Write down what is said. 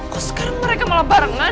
kok sekarang mereka malah barengan